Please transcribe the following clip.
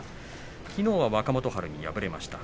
きのうは若元春に敗れました。